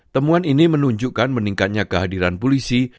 temuan ini menunjukkan meningkatnya kehadiran polisi